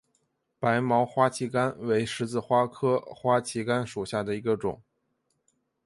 白毛花旗杆为十字花科花旗杆属下的一个种。